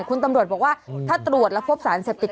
คุณตำรวจบอกว่าถ้าตรวจแล้วพบสารเสพติด